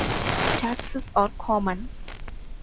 Taxis are common.